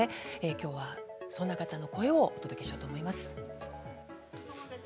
きょうはそんな方の声をお届けしようと思います。